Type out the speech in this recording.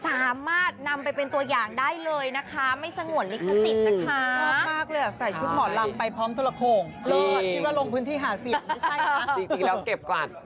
สามารถนำไปเป็นตัวอย่างได้เลยนะคะไม่สงวนลิขสิตนะคะ